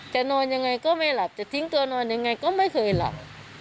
นอนยังไงก็ไม่หลับจะทิ้งตัวนอนยังไงก็ไม่เคยหลับ